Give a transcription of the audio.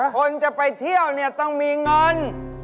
คนจะไปเที่ยวต้องมีเงิน